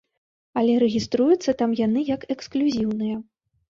Але рэгіструюцца там яны як эксклюзіўныя.